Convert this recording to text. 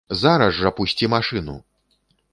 Зараз жа пусці машыну!